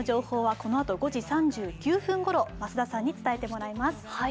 このあと５時３９分ごろ増田さんに伝えてもらいます。